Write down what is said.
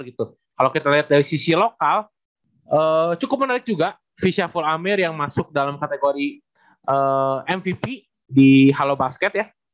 kalau kita lihat dari sisi lokal cukup menarik juga visyaful amir yang masuk dalam kategori mvp di halo basket ya